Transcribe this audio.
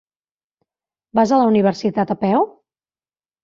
Vas a la universitat a peu?